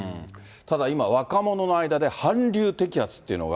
ただ、今若者の間で韓流摘発というのが。